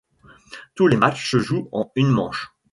Tous les matchs se jouent en une manche.